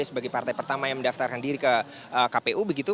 sebagai partai pertama yang mendaftarkan diri ke kpu begitu